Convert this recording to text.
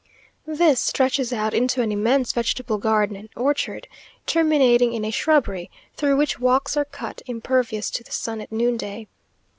This stretches out into an immense vegetable garden and orchard, terminating in a shrubbery, through which walks are cut, impervious to the sun at noon day.